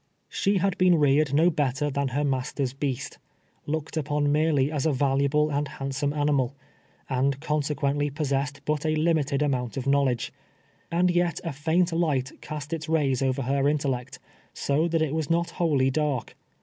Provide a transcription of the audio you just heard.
She had been reared no better than her master's beast — looked uj^on merely as a valuable and hand some animal — and conserpiently possessed but a lim ited amount of knowledge. And yet a faint light cast its rays over her intellect, so that it was not wholly dark.